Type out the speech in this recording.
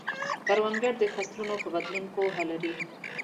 کروندګر د فصلونو په بدلون پوهه لري